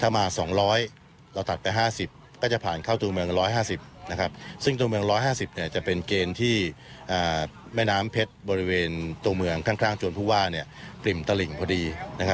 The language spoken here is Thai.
ถ้ามา๒๐๐เราตัดไป๕๐ก็จะผ่านเข้าตัวเมือง๑๕๐ซึ่งตัวเมือง๑๕๐จะเป็นเกณฑ์ที่แม่น้ำเพชรบริเวณตัวเมืองข้างจวนผู้ว่าปริ่มตลิ่งพอดี